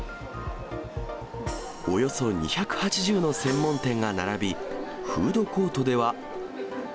およそ２８０の専門店が並び、フードコートでは。